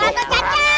gak bisa caput